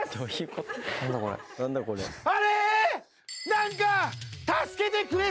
何か。